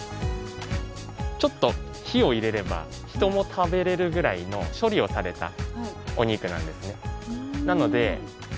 ちょっと火を入れれば人も食べれるぐらいの処理をされたお肉なんですね。